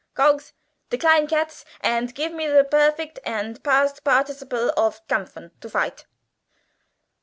Goggs, degline 'Katze,' and gif me ze berfect and bast barticiple of 'kampfen,' to fight."